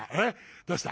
どうした？